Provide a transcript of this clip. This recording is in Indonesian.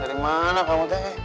dari mana kamu teh